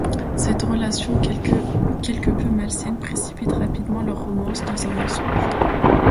Cette relation, quelque peu malsaine, précipite rapidement leur romance dans un mensonge.